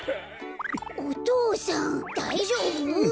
お父さんだいじょうぶ？